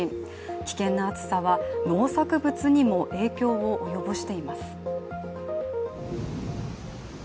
危険な暑さは農作物にも影響を及ぼしています